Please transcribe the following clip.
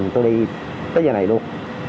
tôi đi tới giờ này luôn